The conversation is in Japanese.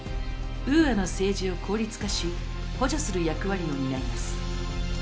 ウーアの政治を効率化し補助する役割を担います。